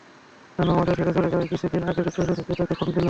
নানু আমাদের ছেড়ে চলে যাওয়ার কিছুদিন আগে যুক্তরাষ্ট্র থেকে তাঁকে ফোন দিলাম।